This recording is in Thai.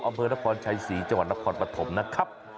อำเภอนครชัยศรีจังหวัดนครปฐมนะครับ